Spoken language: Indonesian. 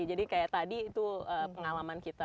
jadi kayak tadi itu pengalaman kita